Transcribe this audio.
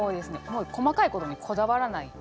もう細かいことにこだわらない。